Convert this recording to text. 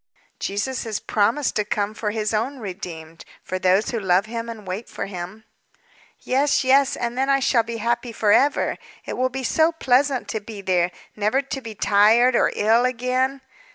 "Jesus has promised to come for His own redeemed for those who love Him and wait for Him." "Yes, yes, and then I shall be happy forever. It will be so pleasant to be there, never to be tired or ill again."